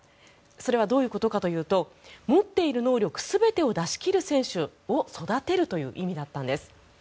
それはどういうことかというと持っている能力全てを出し切る選手を育てるという意味だったんです。